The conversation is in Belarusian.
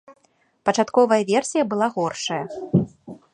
Пачатковая версія была горшая.